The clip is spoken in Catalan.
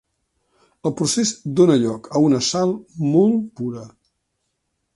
El procés dóna lloc a una sal molt pura.